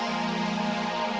aku juga ingin berterima kasih pak